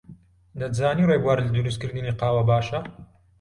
دەتزانی ڕێبوار لە دروستکردنی قاوە باشە؟